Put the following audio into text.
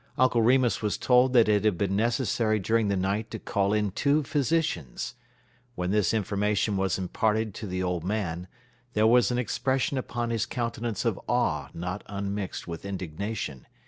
Uncle Remus was told that it had been necessary during the night to call in two physicians. When this information was imparted to the old man, there was an expression upon his countenance of awe not unmixed with indignation.